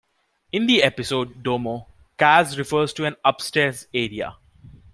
In the episode "Domo", Kaz refers to an upstairs area.